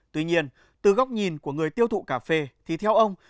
tuy nhiên từ góc nhìn của người tiêu thụ cà phê thì theo ông